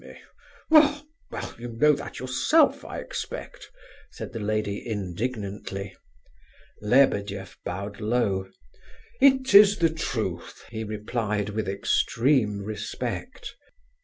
Well! well! you know that yourself, I expect," said the lady indignantly. Lebedeff bowed low. "It is the truth," he replied, with extreme respect.